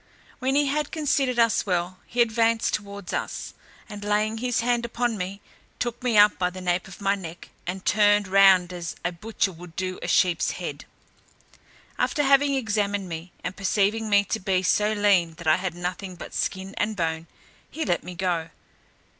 When he had considered us well, he advanced towards us, and laying his hand upon me, took me up by the nape of my neck, and turned round as a butcher would do a sheep's head. After having examined me, and perceiving me to be so lean that I had nothing but skin and bone, he let me go.